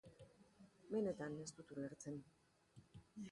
Benetan, ez dut ulertzen.